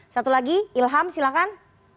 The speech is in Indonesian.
satu lagi ilham silakan